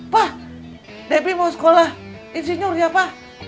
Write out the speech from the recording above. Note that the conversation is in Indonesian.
pak debbie mau sekolah insinyur ya pak